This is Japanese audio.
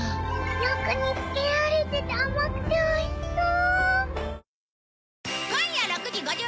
よく煮付けられてて甘くて美味しそう！